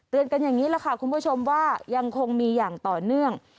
กันอย่างนี้แหละค่ะคุณผู้ชมว่ายังคงมีอย่างต่อเนื่อง